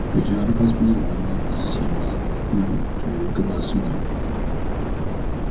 Could you advise me on what she must do to recover sooner?